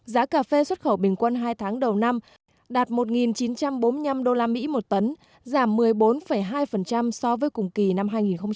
giá cà phê xuất khẩu bình quân hai tháng đầu năm đạt một chín trăm bốn mươi năm usd một tấn giảm một mươi bốn hai so với cùng kỳ năm hai nghìn một mươi tám